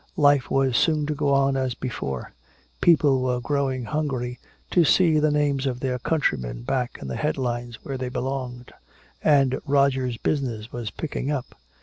Life was soon to go on as before; people were growing hungry to see the names of their countrymen back in the headlines where they belonged. And Roger's business was picking up.